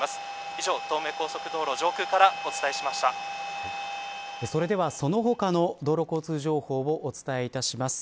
以上、東名高速道路上空からそれでは、その他の道路交通情報をお伝えします。